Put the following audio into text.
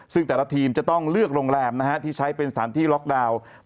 ซึ่งแต่ละทีมจะต้องเลือกโรงแรมที่ใช้เป็นสถานที่ล็อกดาวน์